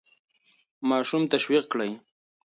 ماشوم تشویق کړئ.